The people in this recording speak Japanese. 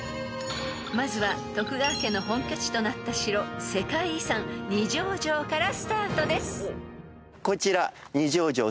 ［まずは徳川家の本拠地となった城世界遺産二条城からスタートです］